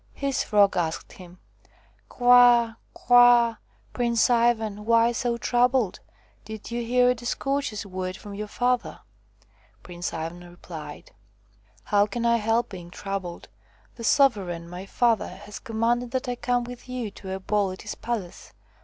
His Frog asked him :" Kwa! kwa ! Prince Ivan, why so troubled? Did you hear a discourteous word from your father 1 ' Prince Ivan replied: "How can I help being troubled? The sovereign, my father, has com manded that I come with you to a ball at his palace.